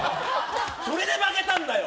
それで負けたんだよ。